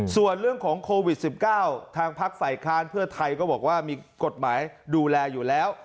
ส่วนเรื่องของโควิด๑๙ทางพักฝ่ายค้านเพื่อไทยก็บอกว่ามีกฎหมายดูแลอยู่แล้ว